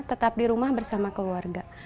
tetap di rumah bersama keluarga